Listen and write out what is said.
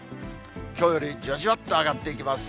きょうよりじわじわっと上がっていきます。